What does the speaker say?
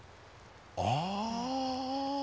ああ！